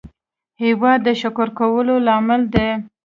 هېواد د شکر کولو لامل دی.